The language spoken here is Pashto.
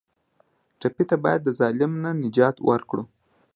ټپي ته باید د ظلم نه نجات ورکړو.